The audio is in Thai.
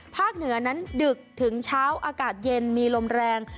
เหนือนั้นดึกถึงเช้าอากาศเย็นมีลมแรง